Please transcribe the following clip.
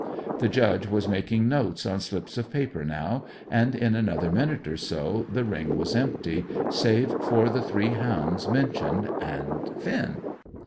The Judge was making notes on slips of paper now, and in another minute or so the ring was empty, save for the three hounds mentioned and Finn.